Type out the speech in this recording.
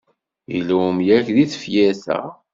Yella umyag deg tefyirt-a?